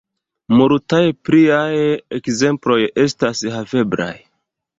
Multaj pliaj ekzemploj estas haveblaj.